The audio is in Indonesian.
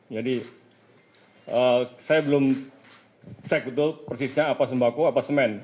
jadi saya belum cek betul persisnya apa sembako apa semen